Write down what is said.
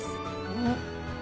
うん。